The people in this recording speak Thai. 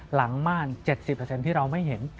ม่าน๗๐ที่เราไม่เห็น